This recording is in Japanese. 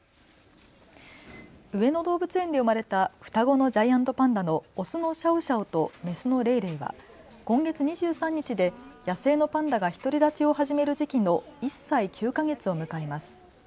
上野動物園で生まれた双子のジャイアントパンダのオスのシャオシャオとメスのレイレイは今月２３日で野生のパンダが独り立ちを始める時期の１歳９か月を迎えます。